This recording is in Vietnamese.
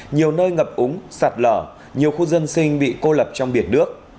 nhiều nơi ngập úng sạt lở nhiều khu dân sinh bị cô lập trong biển nước